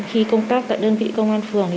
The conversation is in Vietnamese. khi công tác tại đơn vị công an phường